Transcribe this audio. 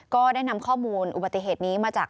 ก็ได้นำข้อมูลอุบัติเหตุนี้มาจาก